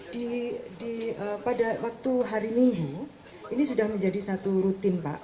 pada waktu hari minggu ini sudah menjadi satu rutin pak